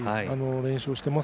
連勝しています